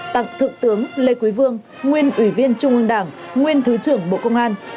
tặng thượng tướng lê quý vương nguyên ủy viên trung ương đảng nguyên thứ trưởng bộ công an